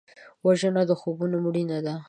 وژنه د خوبونو مړینه ده